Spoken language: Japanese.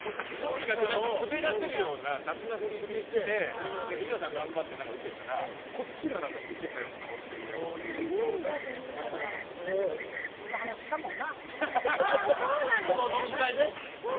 とにかくスベらせるような雑な振りして藤森さんが頑張ってウケたらこっちがウケたようないるんだ、そんな方その飲み会で？